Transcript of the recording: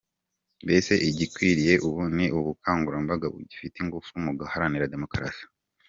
Mbese igikwiriye ubu ni ubukangurambaga bufite ingufu mu guharanira demokarasi.